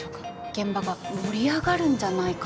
現場が盛り上がるんじゃないかと。